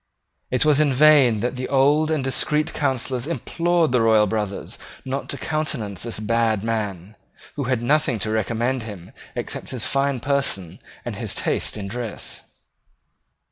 It was in vain that old and discreet counsellors implored the royal brothers not to countenance this bad man, who had nothing to recommend him except his fine person and his taste in dress.